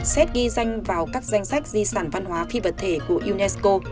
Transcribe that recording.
xét ghi danh vào các danh sách di sản văn hóa phi vật thể của unesco